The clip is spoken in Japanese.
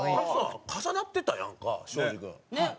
重なってたやんか庄司君。